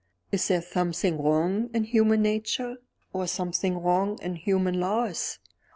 Is there something wrong in human nature? or something wrong in human laws?